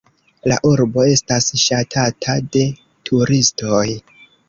La urbo estas ŝatata de turistoj.